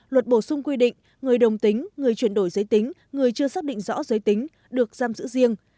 luật bổ sung quy định người đồng tính người chuyển đổi giới tính người chưa xác định rõ giới tính được giam giữ riêng